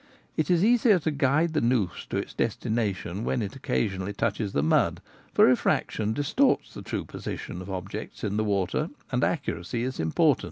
It is easier to guide the noose to its destination when it occasionally touches the mud, for refraction distorts the true posi tion of objects in water, and accuracy is important.